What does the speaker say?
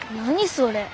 それ。